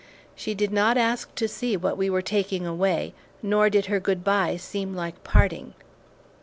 She did not ask to see what we were taking away, nor did her good bye seem like parting.